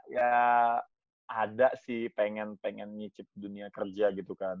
ya ada sih pengen pengen nyicip dunia kerja gitu kan